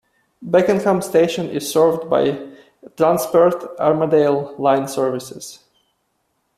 Beckenham station is served by Transperth Armadale line services.